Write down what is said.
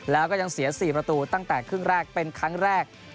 แล้วก็ยังเสีย๔ประตูตั้งแต่ครึ่งแรกเป็นครั้งแรก